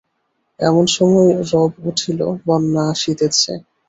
এমন সময়ে রব উঠিল বন্যা আসিতেছে।